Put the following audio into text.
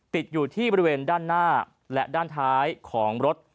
ติดอยู่ที่บริเวณด้านหน้าและด้านท้ายของรถ